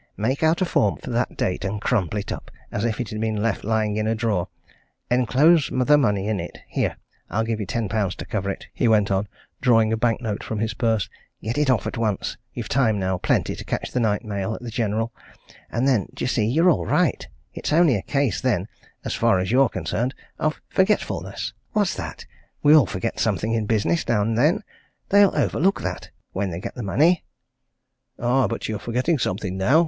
Make out a form for that date, and crumple it up as if it had been left lying in a drawer. Enclose the money in it here, I'll give you ten pounds to cover it," he went on, drawing a bank note from his purse. "Get it off at once you've time now plenty to catch the night mail at the General. And then, d'ye see, you're all right. It's only a case then as far as you're concerned of forgetfulness. What's that? we all forget something in business, now and then. They'll overlook that when they get the money." "Aye, but you're forgetting something now!"